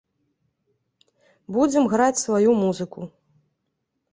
Будзем граць сваю музыку.